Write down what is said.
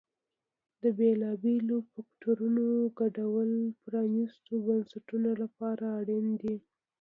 د بېلابېلو فکټورونو ګډوله پرانیستو بنسټونو لپاره اړین دي.